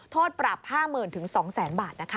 โทษปรับ๕๐๐๐๐ถึง๒๐๐๐๐๐บาทนะคะ